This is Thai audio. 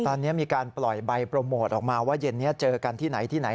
ตอนนี้มีการปล่อยใบโปรโมทออกมาว่าเย็นนี้เจอกันที่ไหนที่ไหน